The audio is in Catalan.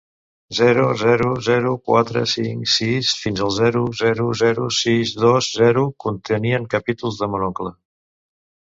Zero zero zero quatre cinc sis fins al zero zero zero sis dos zero contenien capítols de Mon oncle.